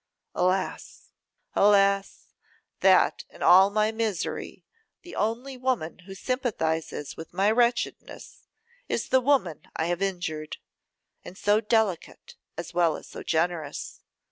Alas! alas! that in all my misery the only woman who sympathises with my wretchedness is the woman I have injured. And so delicate as well as so generous!